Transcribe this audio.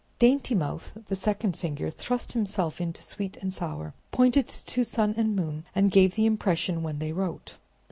Daintymouth, the second finger, thrust himself into sweet and sour, pointed to sun and moon, and gave the impression when they wrote.